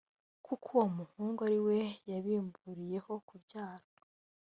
kuko uwo muhungu ari we yabimburiyeho kubyara,